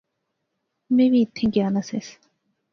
میں وی ایتھیں گیا نا سیس